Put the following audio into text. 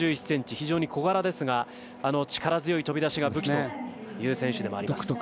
非常に小柄ですが力強い飛び出しが武器という選手でもあります。